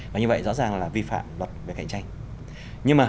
và như vậy rõ ràng là vi phạm luật về cạnh tranh